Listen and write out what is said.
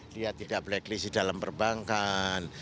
dia tidak blacklist di dalam perbankan